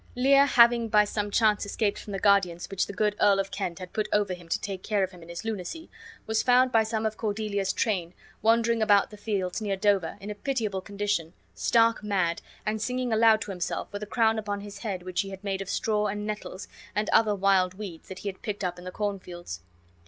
Lear, having by some chance escaped from the guardians which' the good Earl of Kent had put over him to take care of him in his lunacy, was found by some of Cordelia's train, wandering about the fields near Dover, in a pitiable condition, stark mad, and singing aloud to himself, with a crown upon his head which he had made of straw and nettles and other wild weeds that he had picked up in the corn fields.